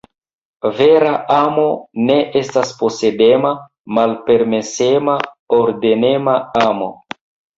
Vera amo ne estas posedema, malpermesema, ordonema amo.